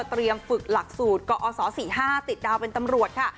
ฝึกหลักสูตรกอศ๔๕ติดดาวเป็นตำรวจค่ะ